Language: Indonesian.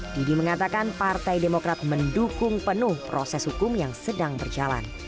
didi mengatakan partai demokrat mendukung penuh proses hukum yang sedang berjalan